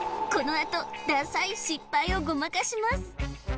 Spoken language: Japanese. このあとダサい失敗をごまかします